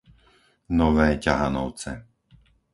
Nové Ťahanovce